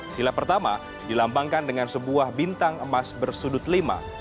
silap pertama dilambangkan dengan sebuah bintang emas bersudut lima